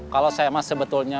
kalau seema sebetulnya